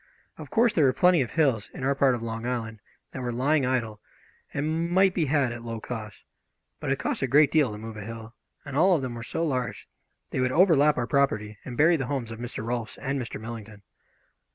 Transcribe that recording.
Of course, there were plenty of hills in our part of Long Island that were lying idle and might be had at low cost, but it costs a great deal to move a hill, and all of them were so large they would overlap our property and bury the homes of Mr. Rolfs and Mr. Millington.